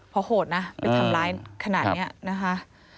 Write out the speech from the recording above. เพราะโหดนะไปทำร้ายขนาดนี้นะคะ